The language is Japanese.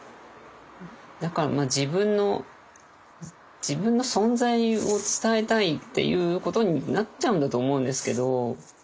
だから「自分の存在を伝えたい」っていうことになっちゃうんだと思うんですけど。